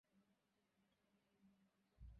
তাহার পরদিন যে প্রভাত হইল তাহা অতি মনোহর প্রভাত।